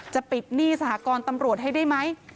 จะปิดหนี้สหกรณ์ตำรวจให้ได้ไหม